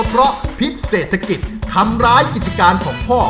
เพราะพิษเศรษฐกิจทำร้ายกิจการของพ่อ